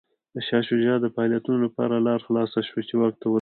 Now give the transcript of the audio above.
د شاه شجاع د فعالیتونو لپاره لاره خلاصه شوه چې واک ته ورسېږي.